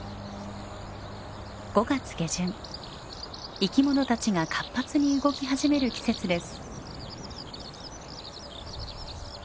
生き物たちが活発に動き始める季節です。